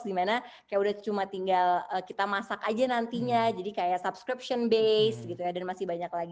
dimana kayak udah cuma tinggal kita masak aja nantinya jadi kayak subscription base gitu ya dan masih banyak lagi